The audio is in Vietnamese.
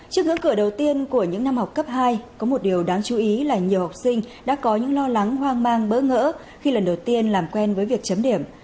trước ngưỡng cửa đầu tiên của những năm học cấp hai có một điều đáng chú ý là nhiều học sinh đã có những lo lắng hoang mang bỡ ngỡ khi lần đầu tiên làm quen với việc chấm điểm